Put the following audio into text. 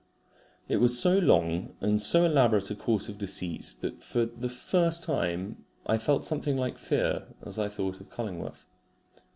It was so long and so elaborate a course of deceit, that I for the first time felt something like fear as I thought of Cullingworth.